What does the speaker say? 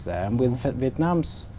hợp lý quốc gia việt nam